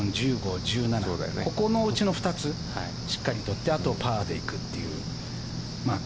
このうちの２つしっかりとってあとはパーで行くっていう。